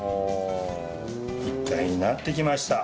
一体になってきました。